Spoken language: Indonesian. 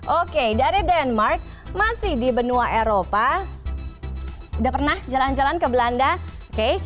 oke dari denmark masih di benua eropa udah pernah jalan jalan ke belanda oke